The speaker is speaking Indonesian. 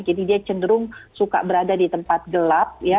jadi dia cenderung suka berada di tempat gelap ya